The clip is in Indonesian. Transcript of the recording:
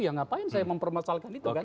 ya ngapain saya mempermasalahkan itu kan